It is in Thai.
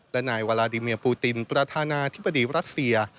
และนายวาลาดิเมียปูตินประธานาธิบดีรัสเซีย